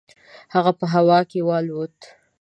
هغه په هوا کې والوت.